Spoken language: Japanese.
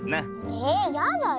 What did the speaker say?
えっやだよ。